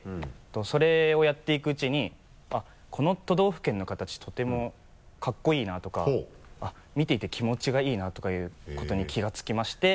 それをやっていくうちに「この都道府県の形とてもかっこいいな」とか「見ていて気持ちがいいな」とかいうことに気がつきまして。